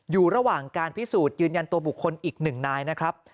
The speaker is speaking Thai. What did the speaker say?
อยู่ระหว่างการพิสูจน์ยืนยันตัวบุคคลอีกหนึ่งนายนะครับ